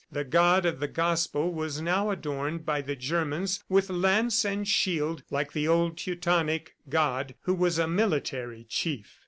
The God of the Gospel was now adorned by the Germans with lance and shield like the old Teutonic god who was a military chief.